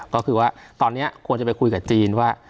ก็คือว่าตอนนี้ควรจะไปคุยกับจีนว่า